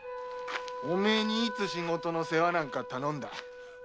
お前にいつ仕事の世話なんか頼んだ。